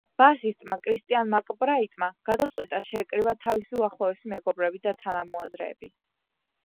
ბასისტმა კრისტიან მაკბრაიტმა გადაწყვიტა შეეკრიბა თავისი უახლოესი მეგობრები და თანამოაზრეები.